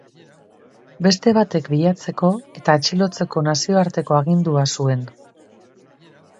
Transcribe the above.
Beste batek bilatzeko eta atxilotzeko nazioarteko agindua zuen.